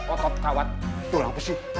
otot sawat tulang besi